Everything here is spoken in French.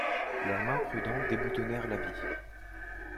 Leurs mains prudentes déboutonnèrent l'habit.